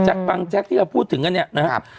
บางแจ๊กที่เราพูดถึงกันเนี่ยนะครับ